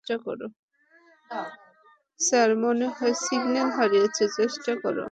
Sir, মনে হয় signal হারিয়েছি - চেষ্টা করো।